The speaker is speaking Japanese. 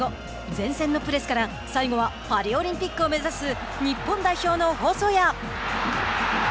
前線のプレスから最後はパリオリンピックを目指す日本代表の細谷。